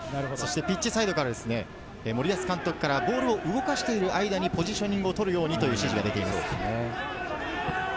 ピッチサイドから森保監督からボールを動かしている間にポジショニングを取るようにという指示が出ています。